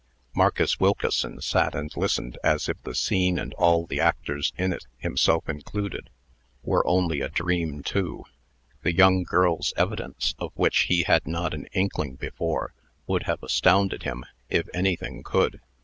Marcus Wilkeson sat and listened, as if the scene and all the actors in it, himself included, were only a dream too. The young girl's evidence, of which he had not an inkling before, would have astounded him, if anything could.